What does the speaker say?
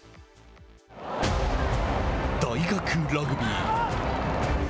大学ラグビー。